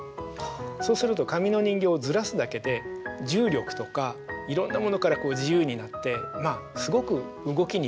そうすると紙の人形をずらすだけで重力とかいろんなものから自由になってすごく動きに向いている素材なんです。